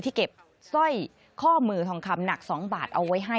เก็บสร้อยข้อมือทองคำหนัก๒บาทเอาไว้ให้